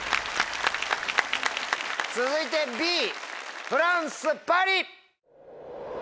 続いてＢフランスパリ。